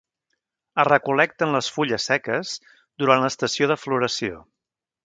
Es recol·lecten les fulles seques durant l'estació de floració.